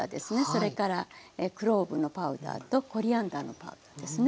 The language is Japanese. それからクローブのパウダーとコリアンダーのパウダーですね。